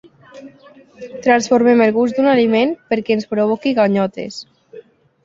Transformem el gust d'un aliment perquè ens provoqui ganyotes.